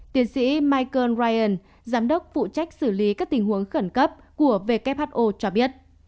tiến sĩ michael ryan giám đốc phụ trách xử lý các tình huống khẩn cấp của who cho biết